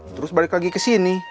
terus balik lagi ke sini